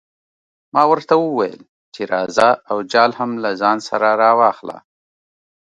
ما ورته وویل چې راځه او جال هم له ځان سره راواخله.